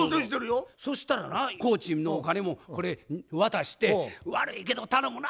そしたらな工賃のお金もこれ渡して「悪いけど頼むな」